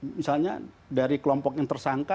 misalnya dari kelompok yang tersangka